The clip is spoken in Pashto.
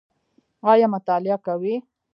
ایا مطالعه کوئ؟